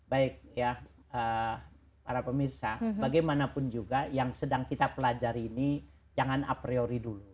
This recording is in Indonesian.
baik ya para pemirsa bagaimanapun juga yang sedang kita pelajari ini jangan a priori dulu